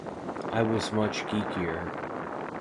I was much geekier.